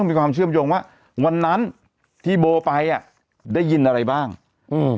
มีความเชื่อมโยงว่าวันนั้นที่โบไปอ่ะได้ยินอะไรบ้างอืม